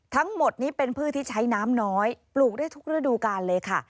ทั้งหมดนี้เป็นพืชที่ใช้น้ำน้อยปลูกได้ทุกฤดูการเลยค่ะ